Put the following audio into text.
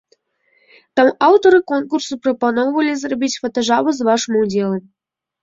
Там аўтары конкурсу прапаноўвалі зрабіць фотажабу з вашым удзелам.